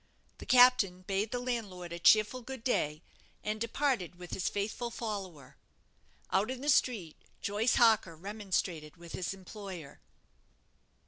The captain bade the landlord a cheerful good day, and departed with his faithful follower. Out in the street, Joyce Harker remonstrated with his employer.